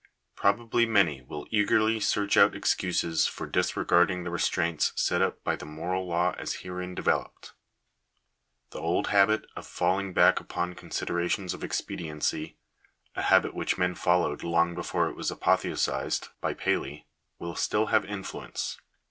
Probably many will eagerly search oat excuses for disregarding the restraints set up by the moral law as herein developed. The old habit of falling back upon considerations of expediency — a habit which men followed long before it was apotheosized by Paley — will still have influence.